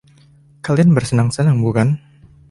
Kalian bersenang-senang, bukan?